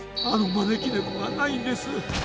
あのまねきねこがないんです。